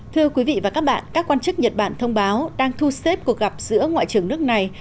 thưa quý vị và các bạn các quan chức nhật bản thông báo đang thu xếp cuộc gặp giữa ngoại trưởng nước này